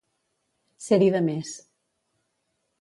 Ser-hi de més.